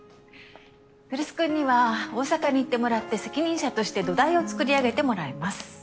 来栖君には大阪に行ってもらって責任者として土台を作り上げてもらいます。